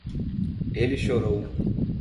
Ele chorou